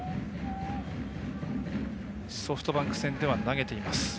ソフトバンク戦では投げています。